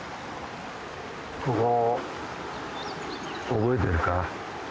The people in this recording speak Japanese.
ここ覚えてるか？